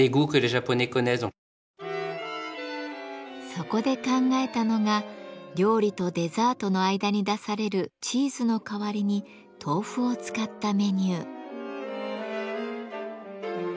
そこで考えたのが料理とデザートの間に出されるチーズの代わりに豆腐を使ったメニュー。